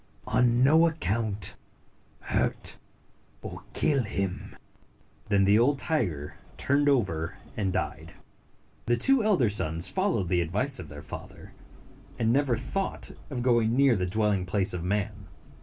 On no account, hurt or kill him." Then the old tiger turned over and died. The two elder sons followed the advice of their father, and never thought of going near the dwelling place of man.